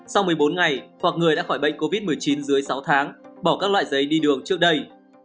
sau một mươi bốn ngày hoặc người đã khỏi bệnh covid một mươi chín dưới sáu tháng bỏ các loại giấy đi đường trước đây